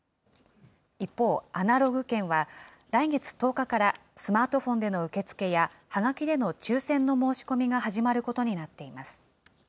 一方、アナログ券は、来月１０日からスマートフォンでの受け付けや、はがきでの抽せんの申し込みが始まることになっています。